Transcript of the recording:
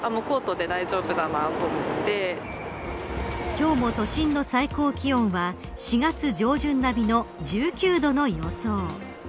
今日も都心の最高気温は４月上旬並みの１９度の予想。